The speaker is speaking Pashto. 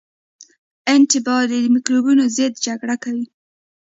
انټي باډي د مکروبونو ضد جګړه کوي